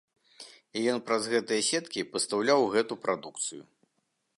І ён праз гэтыя сеткі пастаўляў гэту прадукцыю.